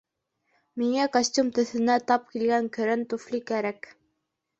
Миңә костюм төҫөнә тап килгән көрән туфли кәрәк